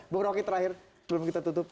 bu rocky terakhir sebelum kita tutup